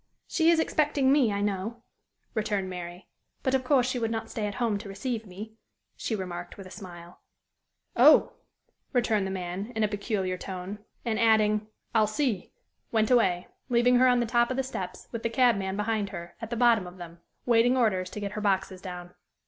"She is expecting me, I know," returned Mary; "but of course she would not stay at home to receive me," she remarked, with a smile. "Oh!" returned the man, in a peculiar tone, and adding, "I'll see," went away, leaving her on the top of the steps, with the cabman behind her, at the bottom of them, waiting orders to get her boxes down.